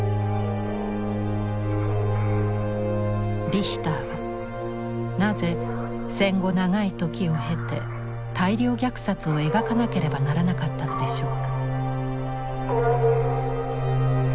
リヒターはなぜ戦後長い時を経て大量虐殺を描かなければならなかったのでしょうか？